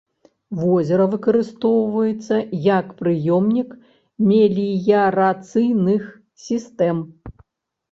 Возера выкарыстоўваецца як прыёмнік меліярацыйных сістэм.